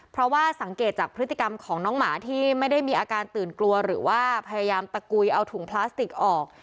เพราะว่าสังเกตจากพฤติกรรมของน้องหมาที่ไม่ได้มีอาการตื่นกลัวหรือว่าพยายามตะกุยเอาถุงพลาสติกออก